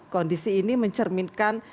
kondisi ini mencerminkan